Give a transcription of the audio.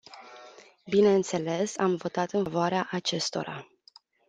Bineînțeles, am votat în favoarea acestora.